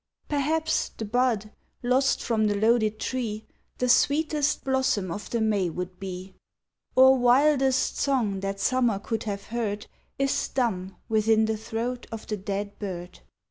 Perhaps the bud lost from the loaded tree The sweetest blossom of the May would be; Or wildest song that summer could have heard Is dumb within the throat of the dead bird.